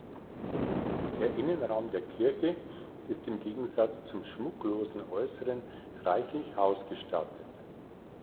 Der Innenraum der Kirche ist im Gegensatz zum schmucklosen Äußeren reichlich ausgestattet.